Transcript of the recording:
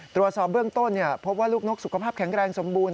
ตรวจสอบเบื้องต้นพบว่าลูกนกสุขภาพแข็งแรงสมบูรณ